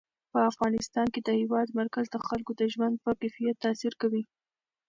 په افغانستان کې د هېواد مرکز د خلکو د ژوند په کیفیت تاثیر کوي.